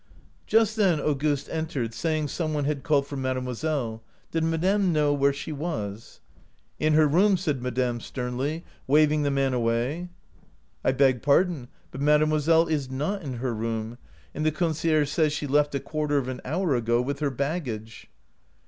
" Just then Auguste entered, saying some one had called for mademoiselle — did ma dame know where she was ?"' In her room,' said madame, sternly, waving the man away. "' I beg pardon, but mademoiselle is not in her room, and the concierge says she left a quarter of an hour ago with her baggage.'